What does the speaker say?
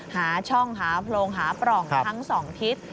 หาช่องหาโพรงหาปล่องทั้ง๒ทิศ